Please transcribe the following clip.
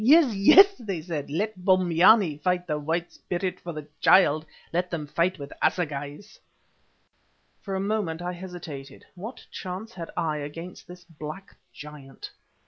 "Yes! yes!" they said, "let Bombyane fight the White Spirit for the child. Let them fight with assegais." For a moment I hesitated. What chance had I against this black giant?